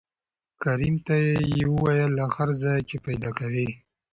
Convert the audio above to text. کريم ته يې وويل له هر ځايه چې پېدا کوې.